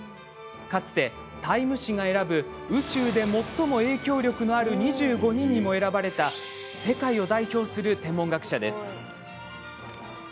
かつて「ＴＩＭＥ」誌が選ぶ「宇宙で最も影響力のある２５人」にも選ばれた世界を代表する天文学者です。